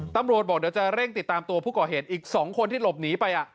ตำรวจบอกเดี๋ยวจะเร่งติดตามตัวผู้ก่อเหตุอีก๒คนที่หลบหนีไป